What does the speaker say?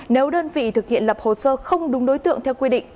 nếu đơn vị thực hiện lập hồ sơ không đúng đối tượng theo quy định